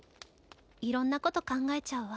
いろんなこと考えちゃうわ。